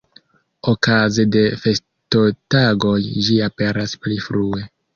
Okaze de festotagoj ĝi aperas pli frue.